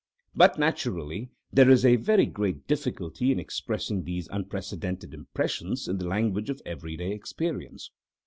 But, naturally, there is a very great difficulty in expressing these unprecedented impressions in the language of everyday experience.